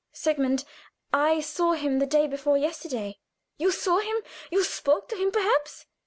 "Sigmund, I saw him the day before yesterday." "You saw him you spoke to him, perhaps?"